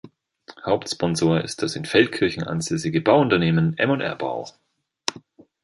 Hauptsponsor ist das in Feldkirchen ansässige Bau-Unternehmen "M&R Bau".